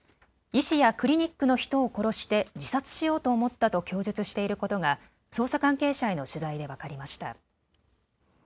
医師やクリニックの人を殺して自殺しようと思ったと供述していることが捜査関係者への取材で分かりました。